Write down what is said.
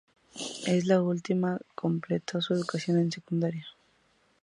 En esta última completó su educación secundaria.